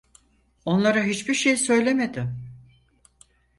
Onlara hiçbir şey söylemedim.